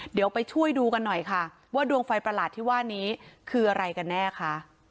เดี๋ยวไปช่วยดูกันหน่อยค่ะว่าดวงไฟประหลาดที่ว่านี้คืออะไรกันแน่ค่ะ